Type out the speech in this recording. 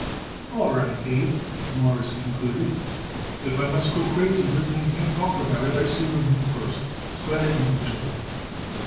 "All right, Abe," Morris concluded, "if I must go crazy listening to you talking about it I sooner move first. So go ahead and do what you like."